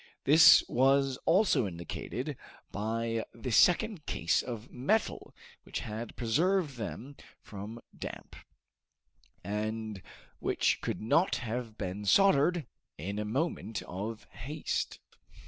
This was also indicated by the second case of metal which had preserved them from damp, and which could not have been soldered in a moment of haste.